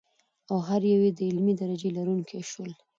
او هر یو یې د علمي درجې لرونکي شول.